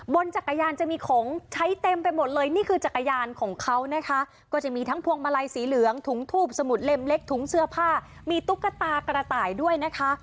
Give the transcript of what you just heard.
จักรยานจะมีของใช้เต็มไปหมดเลยนี่คือจักรยานของเขานะคะก็จะมีทั้งพวงมาลัยสีเหลืองถุงทูบสมุดเล็มเล็กถุงเสื้อผ้ามีตุ๊กตากระต่ายด้วยนะคะ